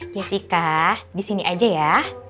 jessica disini aja ya